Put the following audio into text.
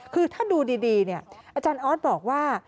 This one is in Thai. คือถ้าดูดีเนี่ยอาจารย์ออสบอกว่า